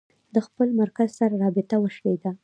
د خپل مرکز سره رابطه وشلېده.